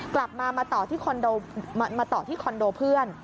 กลับมามาต่อที่คอนโดเพื่อน